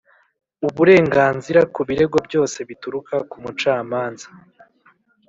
Uburenganzira ku birego byose bituruka ku mucamanza